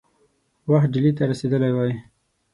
وخت ډهلي ته رسېدلی وای.